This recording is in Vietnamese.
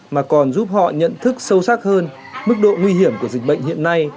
mà còn giúp họ nhận thức sâu sắc hơn mức độ nguy hiểm của dịch bệnh hiện nay